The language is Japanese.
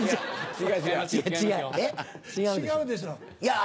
違うでしょ？